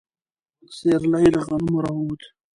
سيرلي له غنمو راووت.